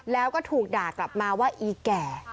แล้วก็ถูกด่ากลับมาว่าอีแก่